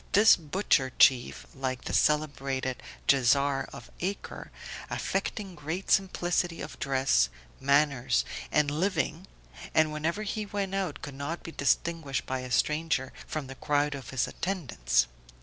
This butcher chief, like the celebrated Djezzar of Acre, affecting great simplicity of dress, manners, and living; and whenever he went out, could not be distinguished by a stranger from the crowd of his attendants.